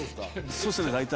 そうですね大体。